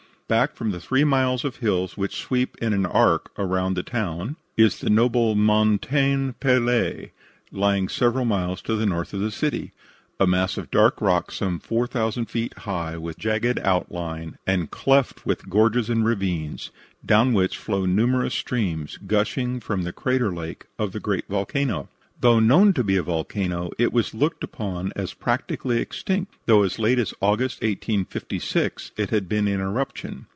Back from the three miles of hills which sweep in an arc round the town, is the noble Montagne Pelee lying several miles to the north of the city, a mass of dark rock some four thousand feet high, with jagged outline, and cleft with gorges and ravines, down which flow numerous streams, gushing from the crater lake of the great volcano. Though known to be a volcano, it was looked upon as practically extinct, though as late as August, 1856, it had been in eruption.